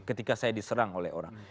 ketika saya diserang oleh orang